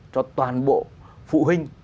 cho toàn bộ phụ huynh